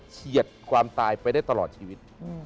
เฉียดความตายไปได้ตลอดชีวิต